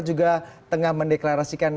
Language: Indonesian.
juga tengah mendeklarasikan